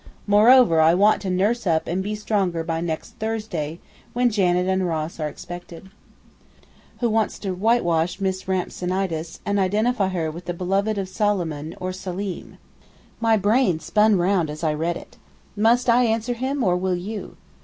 Moreover I want to nurse up and be stronger by next Thursday when Janet and Ross are expected. What a queer old fish your Dublin antiquary is, who wants to whitewash Miss Rhampsinitus, and to identify her with the beloved of Solomon (or Saleem); my brain spun round as I read it. Must I answer him, or will you?